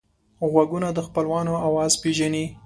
غوږونه د خپلوانو آواز پېژني